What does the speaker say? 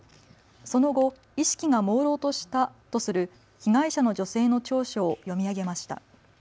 その後、意識がもうろうとしたとする被害者の女性の調書を読み上げました。